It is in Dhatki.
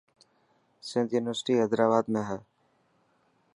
سنڌ يونيورسٽي حيدرآباد ۾ هي.